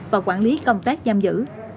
và quản lý công tác giam giữ